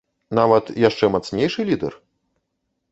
Нават яшчэ мацнейшы лідэр?